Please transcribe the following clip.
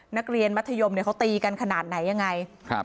นักเรียนมัธยมเขาตีกันขนาดไหนยังไง